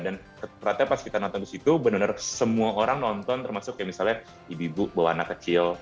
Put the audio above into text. dan ternyata pas kita nonton ke situ bener bener semua orang nonton termasuk kayak misalnya ibu ibu bawah anak kecil